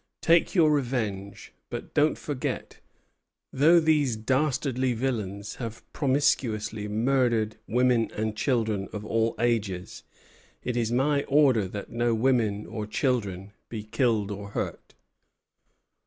Take your revenge, but don't forget that, though those dastardly villains have promiscuously murdered women and children of all ages, it is my order that no women or children be killed or hurt."